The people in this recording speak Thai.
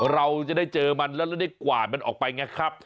เราจะได้เจอมันแล้วเราได้กวาดมันออกไปไงครับ